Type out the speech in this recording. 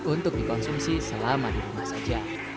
untuk dikonsumsi selama di rumah saja